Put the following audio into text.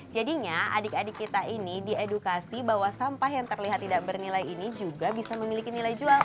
jadinya adik adik kita ini diedukasi bahwa sampah yang terlihat tidak bernilai ini juga bisa memiliki nilai jual